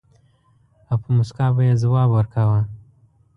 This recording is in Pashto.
او په مُسکا به يې ځواب ورکاوه.